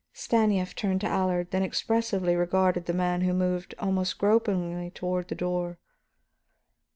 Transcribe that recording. Stanief turned to Allard, then expressively regarded the man who moved almost gropingly toward the door.